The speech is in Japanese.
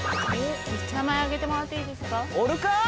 名前あげてもらっていいですか？